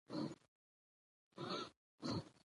ماشومان د هڅونې له لارې خپل استعداد ښيي